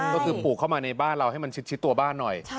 ก็คือปลูกเข้ามาในบ้านเราให้มันชิดตัวบ้านหน่อย